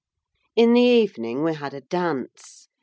In the evening we had a dance.